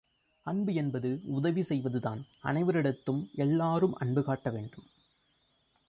அன்பு என்பது உதவி செய்வதுதான் அனைவரிடத்தும் எல்லோரும் அன்பு காட்ட வேண்டும்.